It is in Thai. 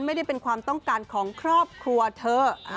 ไม่ได้เป็นความต้องการของครอบครัวเธอ